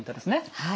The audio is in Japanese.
はい。